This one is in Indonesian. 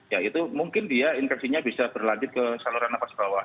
ya itu mungkin dia infeksinya bisa berlanjut ke saluran nafas bawah